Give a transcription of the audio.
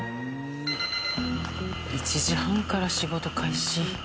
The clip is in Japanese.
１時半から仕事開始。